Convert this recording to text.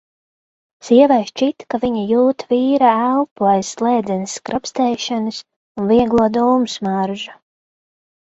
Sievai šķita, ka viņa jūt vīra elpu aiz slēdzenes skrapstēšanas un vieglo dūmu smaržu.